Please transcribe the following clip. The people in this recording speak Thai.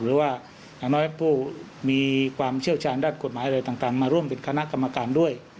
หรือว่าอย่างน้อยผู้มีความเชี่ยวชาญด้านกฎหมายอะไรต่างมาร่วมเป็นคณะกรรมการด้วย